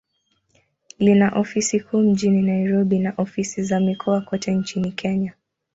Lina ofisi kuu mjini Nairobi, na ofisi za mikoa kote nchini Kenya.